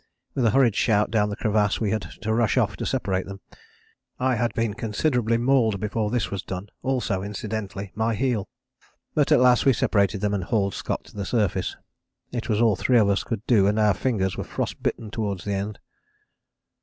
With a hurried shout down the crevasse we had to rush off to separate them. Nougis I. had been considerably mauled before this was done also, incidentally, my heel! But at last we separated them, and hauled Scott to the surface. It was all three of us could do and our fingers were frost bitten towards the end.